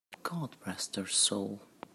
God rest her soul!